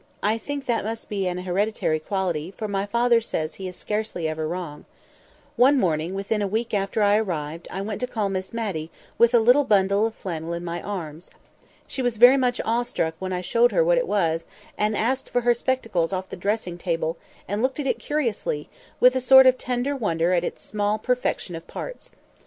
I think that must be an hereditary quality, for my father says he is scarcely ever wrong. One morning, within a week after I arrived, I went to call Miss Matty, with a little bundle of flannel in my arms. She was very much awestruck when I showed her what it was, and asked for her spectacles off the dressing table, and looked at it curiously, with a sort of tender wonder at its small perfection of parts.